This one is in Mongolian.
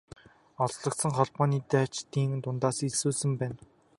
Олзлогдсон холбооны дайчдын дундаас элсүүлсэн байна.